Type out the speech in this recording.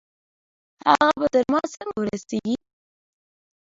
هغه به تر ما څنګه ورسېږي؟